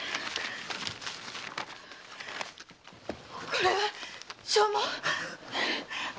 これは証文⁉